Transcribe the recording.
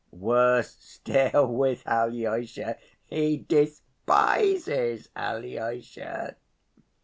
Worse still with Alyosha, he despises Alyosha.